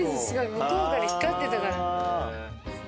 向こうから光ってたから。